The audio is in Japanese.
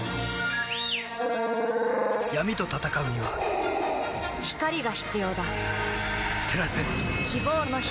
闇と闘うには光が必要だ照らせ希望の光